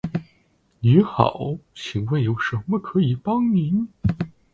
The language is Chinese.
您好，请问有什么可以帮您？